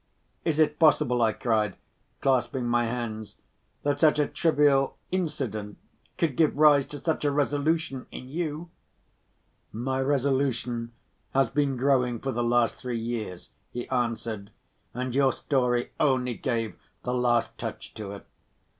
"Is it possible," I cried, clasping my hands, "that such a trivial incident could give rise to such a resolution in you?" "My resolution has been growing for the last three years," he answered, "and your story only gave the last touch to it.